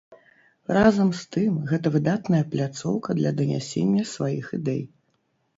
Разам з тым, гэта выдатная пляцоўка для данясення сваіх ідэй.